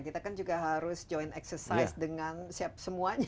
kita kan juga harus join exercise dengan siap semua